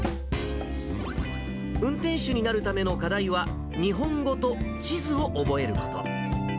運転手になるための課題は、日本語と地図を覚えること。